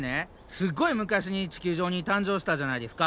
すっごい昔に地球上に誕生したじゃないですか。